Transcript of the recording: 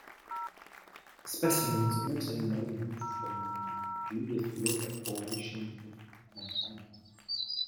Specimens are also known from the Judith River Formation of Montana.